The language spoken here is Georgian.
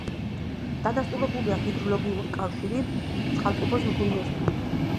დადასტურებულია ჰიდროლოგიური კავშირი წყალტუბოს მღვიმესთან.